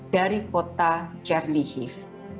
dari kota czernyhiv